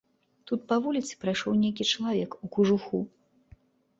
Тут па вуліцы прайшоў нейкі чалавек у кажуху.